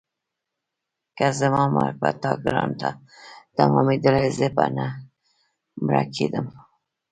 که زما مرګ په تا ګران تمامېدلی زه به نه مړه کېدم.